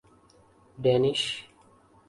Danish